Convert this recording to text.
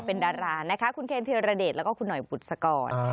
เป็นดารานะคะคุณเคนธีรเดชแล้วก็คุณหน่อยบุษกร